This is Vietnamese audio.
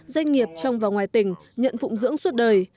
doanh nghiệp trong và ngoài tỉnh nhận phụng dưỡng suốt đời